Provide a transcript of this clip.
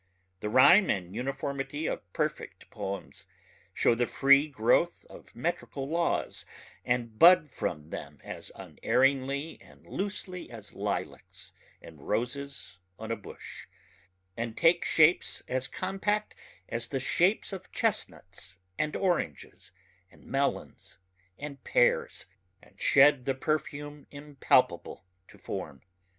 The rhyme and uniformity of perfect poems show the free growth of metrical laws and bud from them as unerringly and loosely as lilacs and roses on a bush, and take shapes as compact as the shapes of chestnuts and oranges and melons and pears, and shed the perfume impalpable to form.